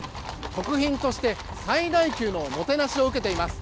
国賓として最大級のもてなしを受けています。